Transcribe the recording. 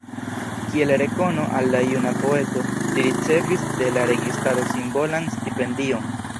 Kiel rekono al la juna poeto, li ricevis de la registaro simbolan stipendion.